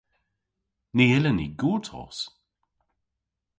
Ny yllyn ni gortos!